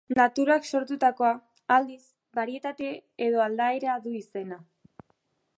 Naturak sortutakoa, aldiz, barietate edo aldaera du izena.